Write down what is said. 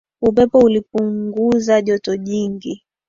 Upepo ulipunguza joto jingi